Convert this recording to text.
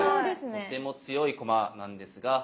とても強い駒なんですがああ。